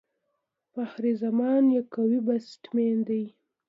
فخر زمان یو قوي بيټسمېن دئ.